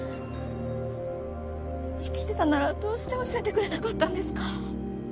生きてたならどうして教えてくれなかったんですか？